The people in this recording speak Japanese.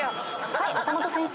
はい岡本先生。